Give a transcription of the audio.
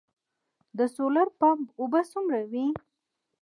د سولر پمپ اوبه څومره وي؟